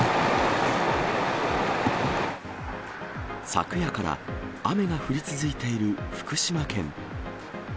昨夜から、雨が降り続いている福島県。